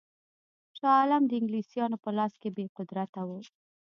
شاه عالم د انګلیسیانو په لاس کې بې قدرته وو.